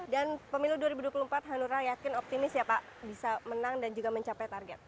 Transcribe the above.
dan pemilu dua ribu dua puluh empat hanura yakin optimis ya pak bisa menang dan juga mencapai target